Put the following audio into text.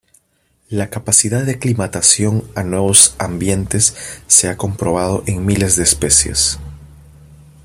La capacidad de aclimatación a nuevos ambientes se ha comprobado en miles de especies.